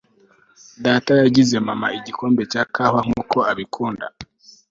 data yagize mama igikombe cya kawa nkuko abikunda